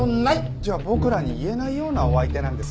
じゃあ僕らに言えないようなお相手なんですか？